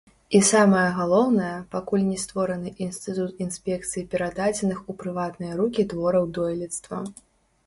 І самае галоўнае, пакуль не створаны інстытут інспекцыі перададзеных у прыватныя рукі твораў дойлідства.